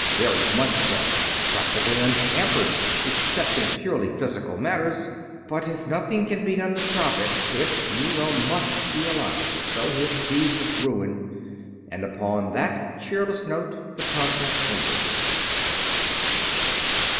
"Very much so. Practically unhampered, except in purely physical matters. But, if nothing can be done to stop it.... If Nero must be allowed to sow his seeds of ruin...." And upon that cheerless note the conference ended.